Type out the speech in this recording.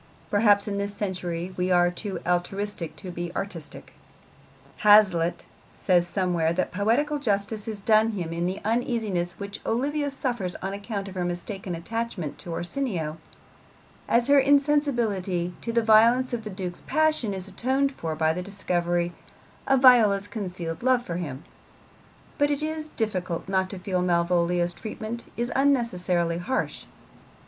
Perhaps in this century we are too altruistic to be really artistic. Hazlitt says somewhere that poetical justice is done him in the uneasiness which Olivia suffers on account of her mistaken attachment to Orsino, as her insensibility to the violence of the Duke's passion is atoned for by the discovery of Viola's concealed love for him; but it is difficult not to feel Malvolio's treatment is unnecessarily harsh.